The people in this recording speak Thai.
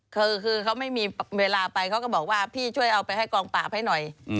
คือเขาไม่มีเวลาไปเขาก็บอกว่าพี่ช่วยเอาไปให้กองปราบให้หน่อย